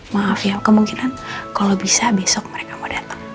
maaf ya kemungkinan kalo bisa besok mereka mau dateng